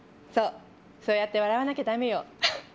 そうそうやって笑わなきゃダメよ。